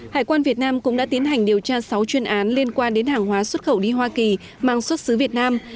hải quan việt nam cũng đã tiến hành điều tra sáu chuyên án liên quan đến hàng hóa xuất khẩu đi hoa kỳ mang xuất xứ việt nam